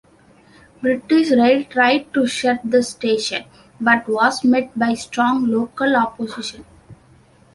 British Rail tried to shut the station but was met by strong local opposition.